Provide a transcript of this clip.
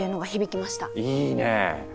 いいねえ！